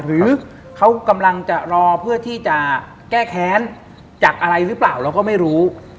หรือเขากำลังจะรอเพื่อที่จะแก้แค้นจากอะไรหรือเปล่าเราก็ไม่รู้